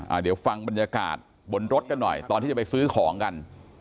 เดี๋ยวฟังบรรยากาศบนรถกันหน่อยตอนที่จะไปซื้อของกัน